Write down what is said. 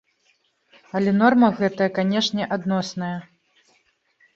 Але норма гэтая, канечне, адносная.